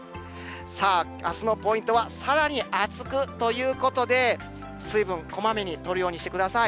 さあ、あすのポイントはさらに暑くということで、水分、こまめにとるようにしてください。